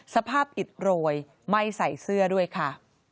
สภาพอิดโรยไม่ใส่เสื้อด้วยค่ะ